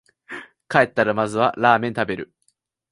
帰ったらまずはラーメン食べる